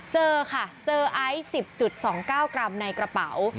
เจอค่ะเจอไอซ์๑๐๒๙กรัมในกระเป๋า